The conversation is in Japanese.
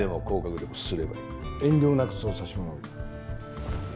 遠慮なくそうさせてもらう。